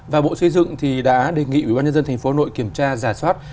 và bộ xây dựng thì đã đề nghị ủy ban nhân dân thành phố hà nội kiểm tra giả soát